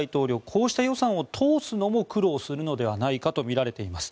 こうした予算を通すのも苦労するのではないかとみられています。